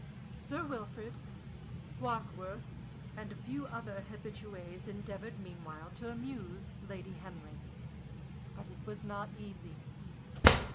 Sir Wilfrid, Warkworth, and a few other habitués endeavored meanwhile to amuse Lady Henry. But it was not easy.